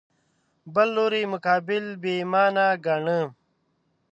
بل لوري مقابل بې ایمانه ګاڼه